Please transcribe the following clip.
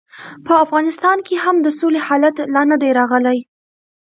په افغانستان کې هم د سولې حالت لا نه دی راغلی.